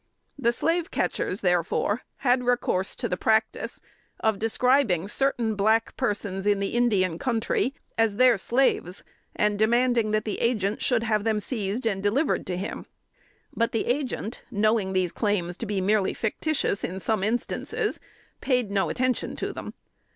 The slave catchers, therefore, had recourse to the practice of describing certain black persons, in the Indian country, as their slaves, and demanding that the Agent should have them seized and delivered to him. But the Agent, knowing these claims to be merely fictitious in some instances, paid no attention to them.